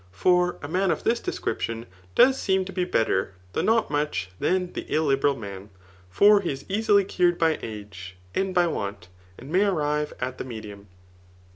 For a man of this description does seem to be b^er, though not much, than the illiberal man ; for iie is easily cured by age^ and by want, and may arrive at the medium.